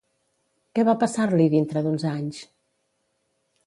Què va passar-li dintre d'uns anys?